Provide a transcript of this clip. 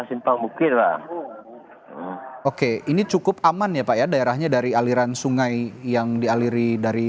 simpang mukira oke ini cukup aman ya pak ya daerahnya dari aliran sungai yang dialiri dari